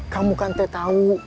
kamu kan tak tahu